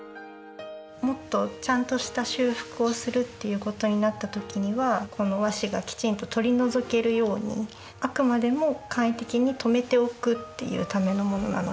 もっとちゃんとした修復をするっていうことになった時にはこの和紙がきちんと取り除けるようにあくまでも簡易的にとめておくっていうためのものなので。